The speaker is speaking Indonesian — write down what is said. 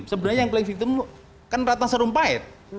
sebenarnya yang playing victim kan ratna sarumpait